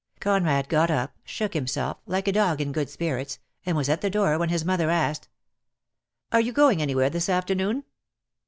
Conrad got up, shook himself, like a dog in good spirits, and was at the door when his mother asked : "Are you going anywhere this afternoon?"